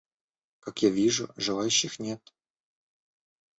Как я вижу, желающих нет.